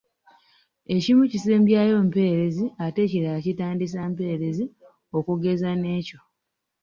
Ekimu kisembyayo mpeerezi ate ekirala kitandisa mpeerezi okugeza n’ekyo.